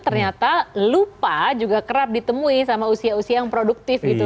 ternyata lupa juga kerap ditemui sama usia usia yang produktif gitu